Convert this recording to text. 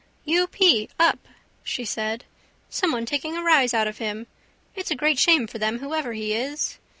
—U. p: up, she said. Someone taking a rise out of him. It's a great shame for them whoever he is.